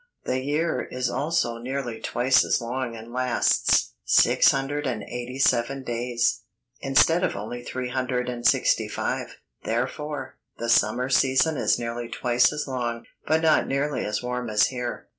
The year is also nearly twice as long and lasts six hundred and eighty seven days, instead of only three hundred and sixty five. Therefore, the summer season is nearly twice as long, but not nearly as warm as here."